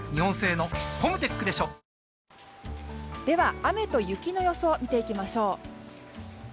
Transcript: では、雨と雪の予想を見ていきましょう。